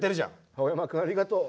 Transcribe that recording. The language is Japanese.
青山君ありがとう。